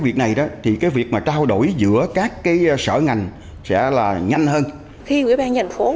việc này đó thì cái việc mà trao đổi giữa các cái sở ngành sẽ là nhanh hơn khi quỹ ban nhân thành phố